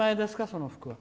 その服は。